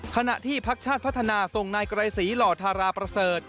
ขณะที่พักชาติพัฒนาส่งนายไกรศรีหล่อทาราประเสริฐ